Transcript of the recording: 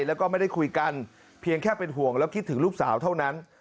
แล้วก็ไม่ได้คุยกันเพียงแค่เป็นห่วงแล้วคิดถึงลูกสาวเท่านั้น